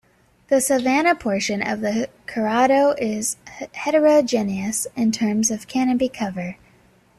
The savanna portion of the Cerrado is heterogeneous in terms of canopy cover.